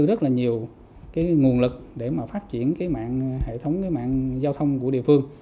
rất nhiều nguồn lực để phát triển mạng giao thông của địa phương